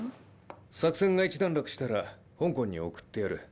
作戦が一段落したらホンコンに送ってやる。